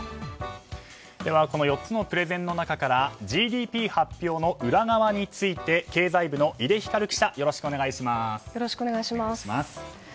この４つのプレゼンの中からＧＤＰ発表の裏側について経済部の井出光記者よろしくお願いします。